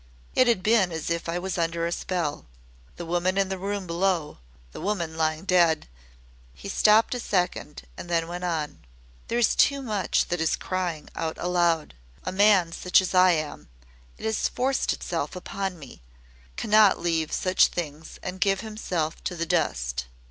It has been as if I was under a spell. The woman in the room below the woman lying dead!" He stopped a second, and then went on: "There is too much that is crying out aloud. A man such as I am it has FORCED itself upon me cannot leave such things and give himself to the dust.